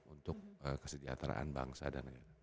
untuk kesejahteraan bangsa dan lain lain